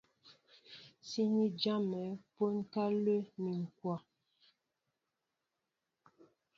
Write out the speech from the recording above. Síní jámɛ kwónkálɛ́ ni ǹkwɛ̌.